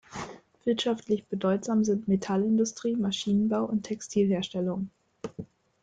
Wirtschaftlich bedeutsam sind Metallindustrie, Maschinenbau und Textilherstellung.